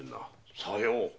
さよう！